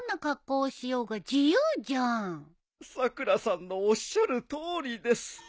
さくらさんのおっしゃるとおりです。